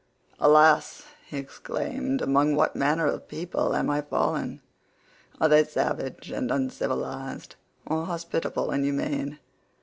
"Alas," he exclaimed, "among what manner of people am I fallen? Are they savage and uncivilised or hospitable and humane?